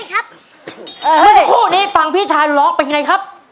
เมื่อสักครู่นี้ฟังพี่ชายร้องเป็นยังไงครับ